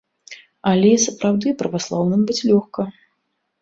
Але сапраўды, праваслаўным быць лёгка.